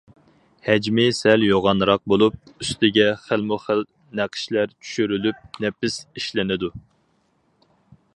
ھەجمى سەل يوغانراق بولۇپ، ئۈستىگە خىلمۇخىل نەقىشلەر چۈشۈرۈلۈپ نەپىس ئىشلىنىدۇ.